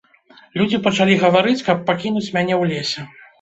Людзі пачалі гаварыць, каб пакінуць мяне ў лесе.